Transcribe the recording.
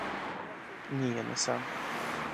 Ні, я не сам.